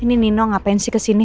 ini mino ngapain sih ke sini